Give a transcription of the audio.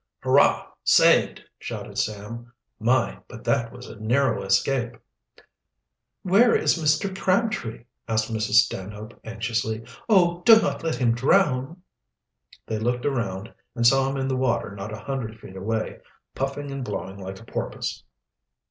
"Hurrah! saved!" shouted Sam. "My, but that was a narrow escape!" "Where is Mr. Crabtree?" asked Mrs. Stanhope anxiously. "Oh, do not let him drown!" They looked around and saw him in the water not a hundred feet away, puffing and blowing like a porpoise.